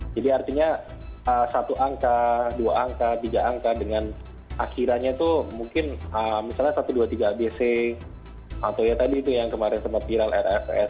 jadi artinya satu angka dua angka tiga angka dengan akhirannya tuh mungkin misalnya satu ratus dua puluh tiga abc atau ya tadi itu yang kemarin sama viral rfs